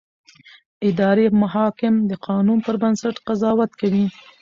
اداري محاکم د قانون پر بنسټ قضاوت کوي.